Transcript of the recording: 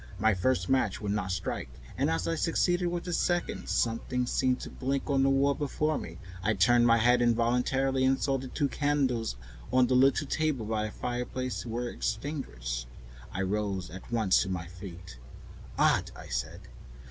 My first match would not strike, and as I succeeded with the second, something seemed to blink on the wall before me. I turned my head involuntarily and saw that the two candles on the little table by the fireplace were extinguished. I rose at once to my feet. "Odd," I said.